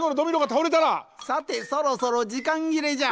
さてそろそろじかんぎれじゃ。